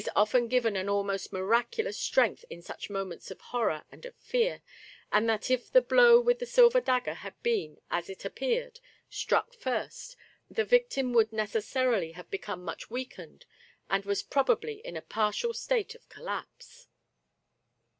loi often given an almost miraculous strength in such moments of horror and of fear, and that if the blow with the silver dagger had been, as it ap peared, struck first, the victim would necessarily have become much weakened, and was probably in a partial state of collapse.